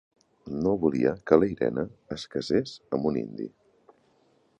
No volia que la Irene es casés amb un indi.